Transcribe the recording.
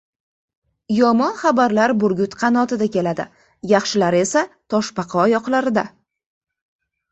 Yomon xabarlar burgut qanotida keladi, yaxshilari esa toshbaqa oyoqlarida.